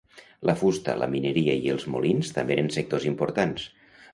La fusta, la mineria i els molins també eren sectors importants.